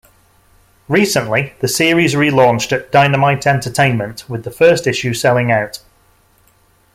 Recently, the series relaunched at Dynamite Entertainment with the first issue selling out.